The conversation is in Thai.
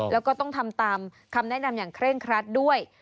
แล้วก็ต้องทำตามคำแนะนำอย่างเคร่งครัดด้วย